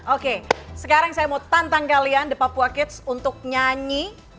oke sekarang saya mau tantang kalian the papua kids untuk nyanyi